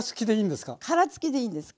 殻付きでいいんですか？